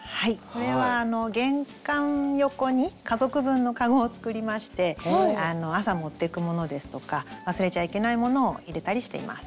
これは玄関横に家族分のかごを作りまして朝持ってくものですとか忘れちゃいけないものを入れたりしています。